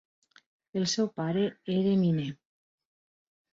El seu pare era miner.